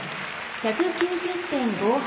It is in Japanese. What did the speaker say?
１９０．５８。